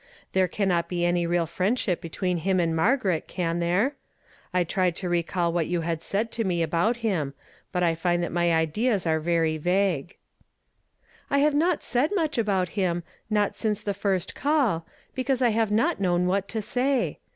I'here cannot be iiny real friendship between liim and .Margaret, can there ? I tried to recall what you had said to me about him, but I find that my ideas are very vague." "' I have not said nnu^h about him, not since the fii"st call, because I have not known what to say.